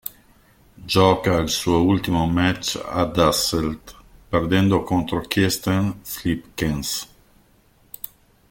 Gioca il suo ultimo match ad Hasselt, perdendo contro Kirsten Flipkens.